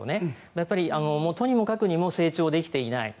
やっぱり、とにもかくにも成長できていない。